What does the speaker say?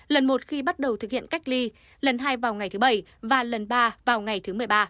lần một khi bắt đầu thực hiện cách ly lần hai vào ngày thứ bảy và lần ba vào ngày thứ một mươi ba